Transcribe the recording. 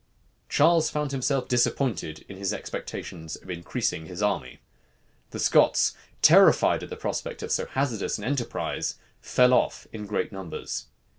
Charles found himself disappointed in his expectations of increasing his army. The Scots, terrified at the prospect of so hazardous an enterprise, fell off in great numbers.